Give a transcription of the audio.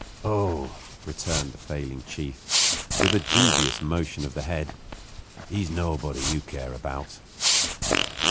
"Oh" returned the failing chief, with a dubious motion of the head, "he's nobody that you care about."